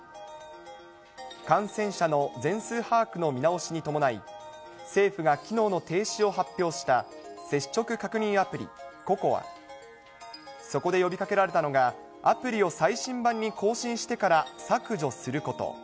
感染者の全数把握の見直しに伴い、政府が機能の停止を発表した接触確認アプリ・ＣＯＣＯＡ。そこで呼びかけられたのが、アプリを最新版に更新してから削除すること。